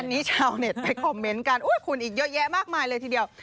อันนี้ชาวเน็ตไปคอมเมนต์กันคุณอีกเยอะแยะมากมายเลยทีเดียว